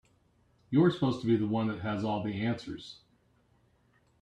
You're supposed to be the one that has all the answers.